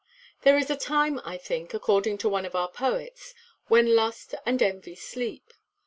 There is a time, I think, according to one of our poets, when lust and envy sleep.